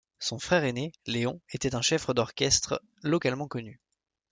Son frère aîné, Leon était un chef d'orchestre localement connu.